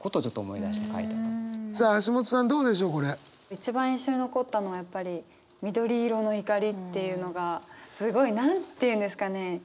一番印象に残ったのはやっぱり「緑色の怒り」っていうのがすごい何て言うんですかね